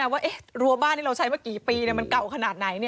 ว่ารัวบ้านที่เราใช้มากี่ปีมันเก่าขนาดไหน